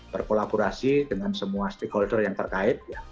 berkolaborasi dengan semua stakeholder yang terkait